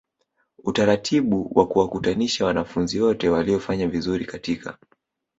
utaratibu wakuwakutanisha wanafunzi wote waliofanya vizuri katika